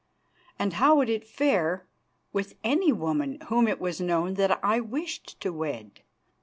And how would it fare with any woman whom it was known that I wished to wed?